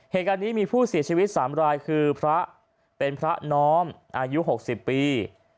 เหตุการณ์นี้มีผู้เสียชีวิต๓รายคือพระเป็นพระน้อมอายุ๖๐ปี